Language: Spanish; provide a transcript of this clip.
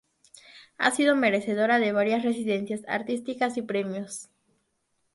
Ha sido merecedora de varias residencias artísticas y premios.